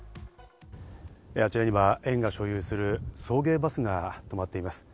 あちらには園が所有する送迎バスが止まっています。